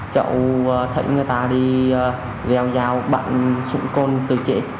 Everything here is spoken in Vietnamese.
cháu thấy người ta đi leo dao bặn súng côn tự chế